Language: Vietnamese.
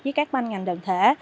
với các ban ngành đơn thể